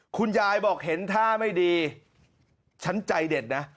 คุณยายบอกเห็นท่าไม่ดีฉันใจเด็ดนะ